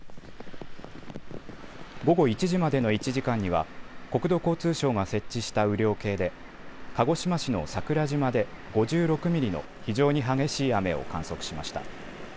午後１時までの１時間には国土交通省が設置した雨量計で鹿児島市の桜島で５６ミリの非常に激しい雨を観測しました。